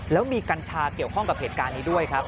แล้วมีกัญชาเกี่ยวข้องกับเหตุการณ์นี้ด้วยครับ